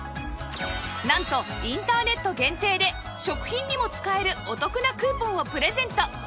なんとインターネット限定で食品にも使えるお得なクーポンをプレゼント